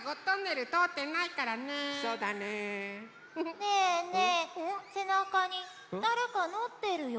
ねえねえせなかにだれかのってるよ。